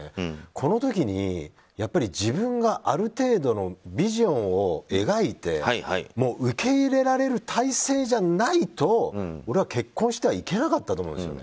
この時に、自分がある程度のビジョンを描いて受け入れられる態勢じゃないと俺は結婚してはいけなかったと思うんですよね。